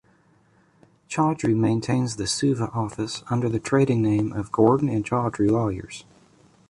Chaudhry maintains the Suva office under the trading name of Gordon and Chaudhry Lawyers.